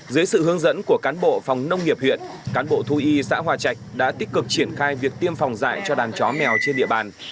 dưới sự hướng dẫn của cán bộ phòng nông nghiệp huyện cán bộ thú y xã hòa trạch đã tích cực triển khai việc tiêm phòng dạy cho đàn chó mèo trên địa bàn